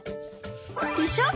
でしょ！